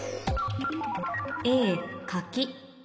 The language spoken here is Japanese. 「Ａ柿」